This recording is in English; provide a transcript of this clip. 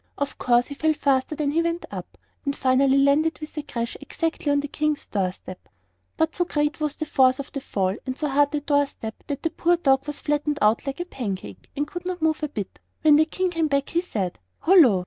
Of course he fell faster than he went up, and finally landed with a crash exactly on the King's door step. But so great was the force of the fall and so hard the door step that the poor dog was flattened out like a pancake, and could not move a bit. When the King came back he said: "Hullo!